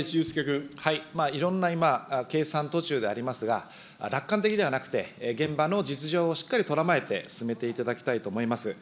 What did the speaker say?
いろんな今、計算途中でありますが、楽観的ではなくて、現場の実情をしっかりとらまえて進めていただきたいと思います。